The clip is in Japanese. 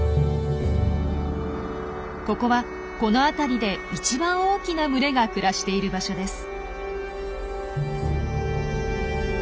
ここはこの辺りで一番大きな群れが暮らしている場所です。